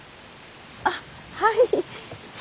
あっはい。